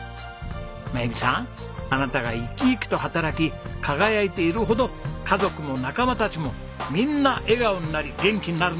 真由美さんあなたが生き生きと働き輝いているほど家族も仲間たちもみんな笑顔になり元気になるんです。